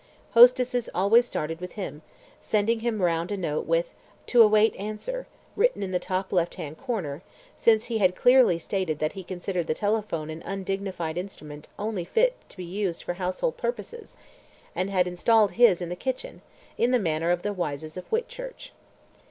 Hostesses always started with him, sending him round a note with "To await answer", written in the top left hand corner, since he had clearly stated that he considered the telephone an undignified instrument only fit to be used for household purposes, and had installed his in the kitchen, in the manner of the Wyses of Whitchurch.